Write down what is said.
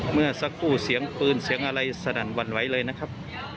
เมื่อสักครู่เสียงปืนเสียงอะไรสนั่นหวั่นไหวเลยนะครับ